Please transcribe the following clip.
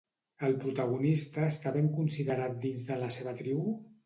El protagonista està ben considerat dins de la seva tribu?